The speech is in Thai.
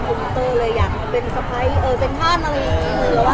เห็นว่ารักคุมเตอร์เลยอยากเป็นสไพรท์เออเซ็นทร์อะไร